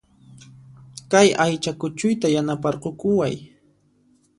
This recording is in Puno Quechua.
Kay aycha kuchuyta yanaparqukuway